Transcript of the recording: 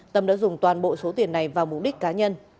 tâm đã dùng toàn bộ số tiền này vào mục đích cá nhân